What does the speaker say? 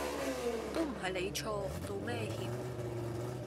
都唔係你錯，道咩歉